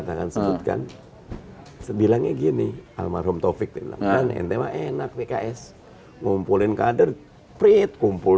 ngumpulin kader priet kumpul sebutkan sebilangnya gini almarhum taufik dengan entema enak pks ngumpulin kader priet kumpul